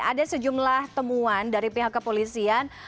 ada sejumlah temuan dari pihak kepolisian